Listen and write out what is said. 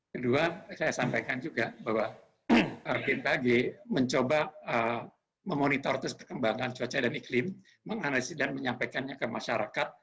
kedua saya sampaikan juga bahwa bmkg mencoba memonitor terus perkembangan cuaca dan iklim menganalisis dan menyampaikannya ke masyarakat